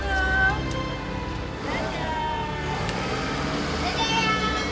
ya bosan bosan ke sini ya